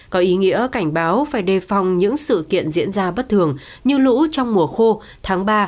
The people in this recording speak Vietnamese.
có ý nghĩa cảnh báo phải đề phòng những sự kiện diễn ra bất thường như lũ trong mùa khô tháng ba